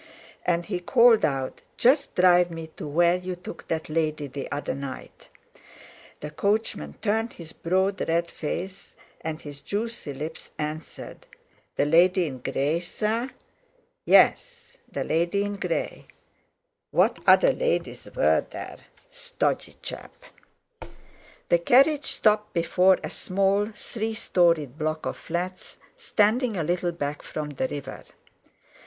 And he called out: "Just drive me to where you took that lady the other night." The coachman turned his broad red face, and his juicy lips answered: "The lady in grey, sir?" "Yes, the lady in grey." What other ladies were there! Stodgy chap! The carriage stopped before a small three storied block of flats, standing a little back from the river.